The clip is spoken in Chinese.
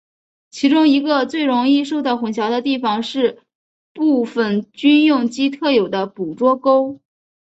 其中一个最容易受到混淆的地方是部份军用机特有的捕捉勾。